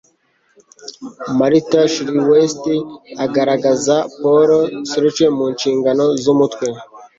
Martin Chuzzlewit' agaragaza Paul Scofield mu nshingano z'umutwe